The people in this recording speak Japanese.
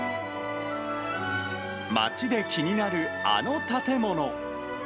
街で気になるあの建物。